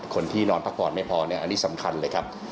คนที่นอนพักปอนด์ไม่พออันนี้สำคัญเลยครับ